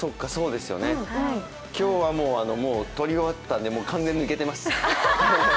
今日は撮り終わったんで、完全に抜けてます。